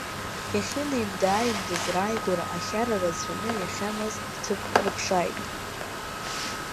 Иахьынеимда-ааимдаз рааигәара ахьара рацәаны иахьамаз ҭыԥк рыԥшааит.